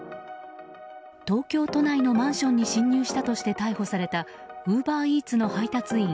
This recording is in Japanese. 東京都内のマンションに侵入したとして逮捕されたウーバーイーツの配達員